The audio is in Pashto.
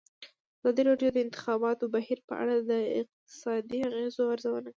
ازادي راډیو د د انتخاباتو بهیر په اړه د اقتصادي اغېزو ارزونه کړې.